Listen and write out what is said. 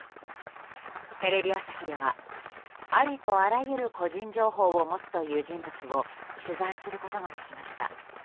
テレビ朝日では、ありとあらゆる個人情報を持つという人物を取材することができました。